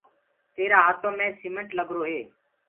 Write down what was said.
تيرآ هآتو مي سيمٽ لگرو هي۔